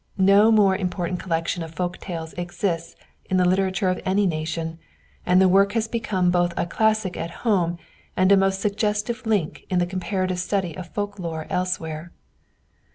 No more important collection of folk tales exists in the literature of any nation, and the work has become both a classic at home and a most suggestive link in the comparative study of folk lore elsewhere.